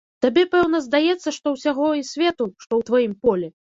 Табе, пэўна, здаецца, што ўсяго і свету, што ў тваім полі.